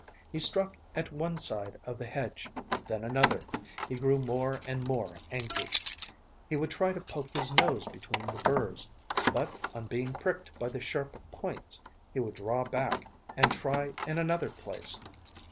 He struck at one side of the hedge, then another. He grew more and more angry. He would try to poke his nose between the burrs, but on being pricked by the sharp points, he would draw back and try in another place.